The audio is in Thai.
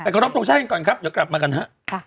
ก็รับตรงใช่ก่อนครับเดี๋ยวกลับมากันฮะ